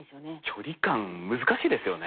距離感難しいですよね。